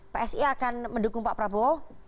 psi akan mendukung pak prabowo